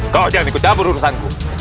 kau jangan ikut aku urusanku